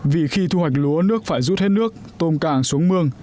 vì khi thu hoạch lúa nước phải rút hết nước tôm càng xuống mương